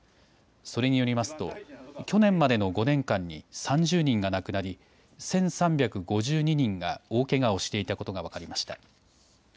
それによりますと去年までの５年間に３０人が亡くなり、１３５２人が大けがをしていたことが分かりました。